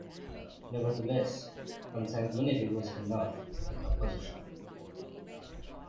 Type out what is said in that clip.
Nevertheless, consanguinity was enough for the opposition.